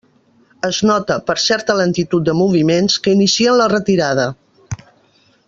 Es nota, per certa lentitud de moviments, que inicien la retirada.